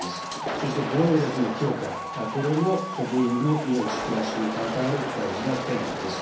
そして防衛力の強化、これも、国民の命、暮らしに関わる大事なテーマです。